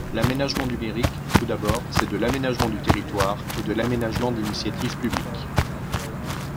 L’aménagement numérique, tout d’abord, c’est de l’aménagement du territoire, et de l’aménagement d’initiative publique.